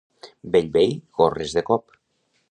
Bellvei, gorres de cop.